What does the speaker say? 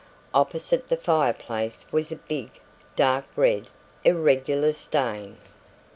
Opposite the fireplace was a big, dark red, irregular stain.